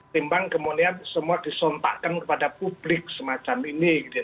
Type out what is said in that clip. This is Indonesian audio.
timbang kemudian semua disontakkan kepada publik semacam ini